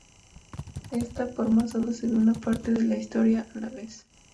De esta forma, sólo se ve una parte de la historia a la vez.